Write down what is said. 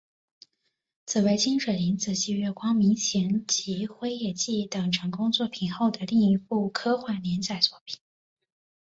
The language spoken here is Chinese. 此为清水玲子继月光迷情及辉夜姬等成功作品后的另一部科幻连载作品。